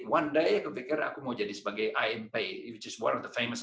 suatu hari saya berpikir saya ingin menjadi sebagai imp salah satu arsitektur terkenal di amerika